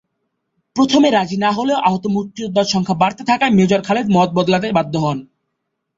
প্রথমে রাজি না হলেও আহত মুক্তিযোদ্ধার সংখ্যা বাড়তে থাকায় মেজর খালেদ মত বদলাতে বাধ্য হন।